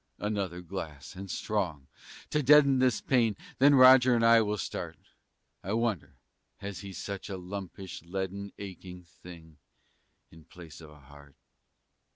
Another glass, and strong, to deaden This pain; then Roger and I will start. I wonder, has he such a lumpish, leaden, Aching thing in place of a heart?